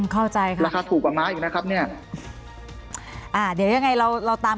ข้อใจราคาถูกกว่ามากอีกนะครับเนี่ยเดี๋ยวยังไงเราตาม